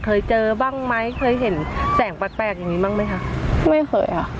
เคยเจอบ้างไหมเคยเห็นแสงแปลกแปลกอย่างงี้บ้างไหมคะไม่เคยค่ะ